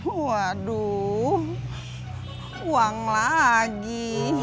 waduh uang lagi